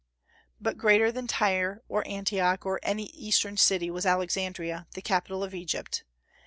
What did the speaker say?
But greater than Tyre or Antioch, or any eastern city, was Alexandria, the capital of Egypt.